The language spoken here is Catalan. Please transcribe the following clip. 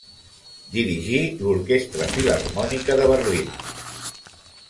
Dirigí l'Orquestra Filharmònica de Berlín.